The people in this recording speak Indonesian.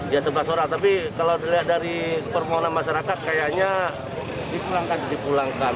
ya sebelas orang tapi kalau dilihat dari permohonan masyarakat kayaknya dipulangkan